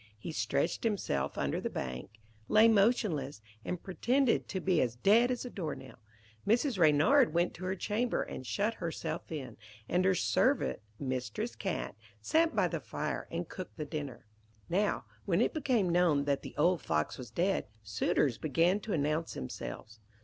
He stretched himself under the bank, lay motionless, and pretended to be as dead as a door nail. Mrs. Reynard went to her chamber, and shut herself in; and her servant, Mistress Cat, sat by the fire, and cooked the dinner. Now, when it became known that the old Fox was dead, suitors began to announce themselves.